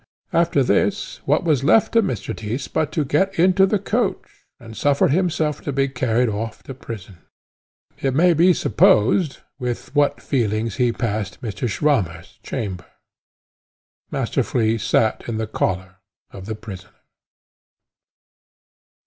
After this, what was left to Mr. Tyss but to get into the coach, and suffer himself to be carried off to prison? It may be supposed with what feelings he passed Mr. Swammer's chamber. Master Flea sate in the collar of the prisoner.